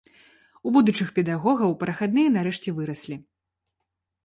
У будучых педагогаў прахадныя нарэшце выраслі.